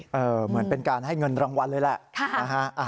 เหมือนเป็นการให้เงินรางวัลเลยแหละ